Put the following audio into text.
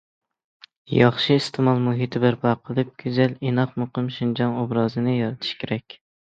ياخشى ئىستېمال مۇھىتى بەرپا قىلىپ،‹‹ گۈزەل، ئىناق، مۇقىم›› شىنجاڭ ئوبرازىنى يارىتىش كېرەك.